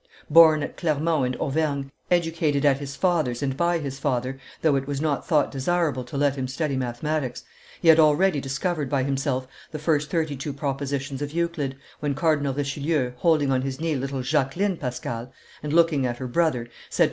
Born at Clermont, in Auvergne, educated at his father's and by his father, though it was not thought desirable to let him study mathematics, he had already discovered by himself the first thirty two propositions of Euclid, when Cardinal Richelieu, holding on his knee little Jacqueline Pascal, and looking at her brother, said to M.